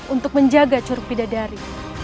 untuk menjaga curug bidadari